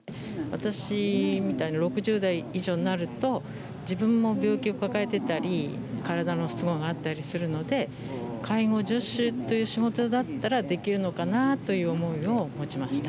私みたいな６０代以上になると自分も病気抱えてたり体の不都合があったりするので介護助手という仕事だったらできるのかなという思いを持ちました。